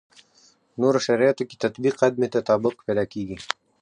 نورو شرایطو کې تطبیق عدم تطابق پیدا کړي.